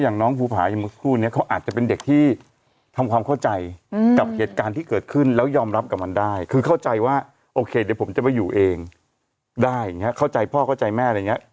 อย่างน้องภูผาคุณก็อาจจะเป็นเด็กที่ทำความเข้าใจกับเหตุการณ์ที่เกิดขึ้นแล้วยอมรับกับมันได้คือเข้าใจว่าโอเคเดี๋ยวผมจะไปอยู่เองได้เข้าใจพ่อเข้าใจแม่อะไรอย่างนี้